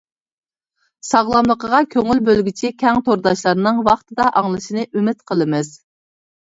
ساغلاملىقىغا كۆڭۈل بۆلگۈچى كەڭ تورداشلارنىڭ ۋاقتىدا ئاڭلىشىنى ئۈمىد قىلىمىز!